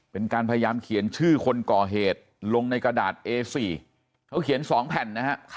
เป็นการพยายามเขียนชื่อคนก่อเหตุลงในกระดาษเอสี่เขาเขียนสองแผ่นนะฮะ